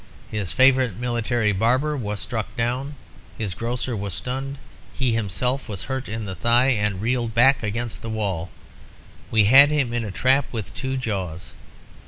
His favourite military barber was struck down. His grocer was stunned. He himself was hurt in the thigh, and reeled back against the wall. We had him in a trap with two jaws.